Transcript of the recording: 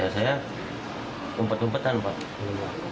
saya umpet umpetan pak